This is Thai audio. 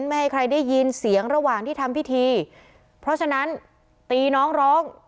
ไม่ให้ใครได้ยินเสียงระหว่างที่ทำพิธีเพราะฉะนั้นตีน้องร้อง